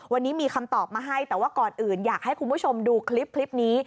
วันนี้มีคำตอบมาให้แต่ว่าก่อนอื่นอยากให้คุณผู้ชมดูคลิปนี้